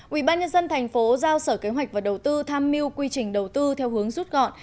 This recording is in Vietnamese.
ủy ban nhân dân tp giao sở kế hoạch và đầu tư tham mưu quy trình đầu tư theo hướng rút gọn